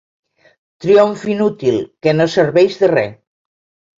Triomf inútil, que no serveix de re.